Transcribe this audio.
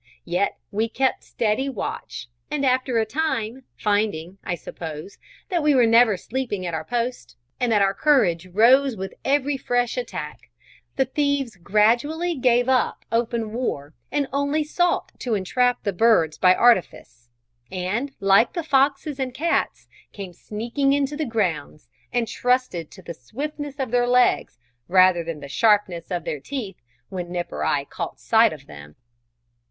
Yet we kept steady watch; and after a time, finding, I suppose, that we were never sleeping at our post, and that our courage rose with every fresh attack, the thieves gradually gave up open war, and only sought to entrap the birds by artifice; and, like the foxes and cats, came sneaking into the grounds, and trusted to the swiftness of their legs rather than the sharpness of their teeth when Nip or I caught sight of them.